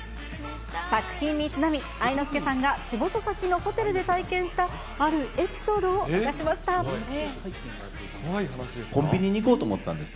作品にちなみ、愛之助さんが仕事先のホテルで体験したあるエピソードを明かしまコンビニに行こうと思ったんです。